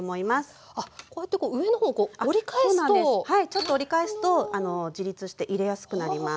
ちょっと折り返すと自立して入れやすくなります。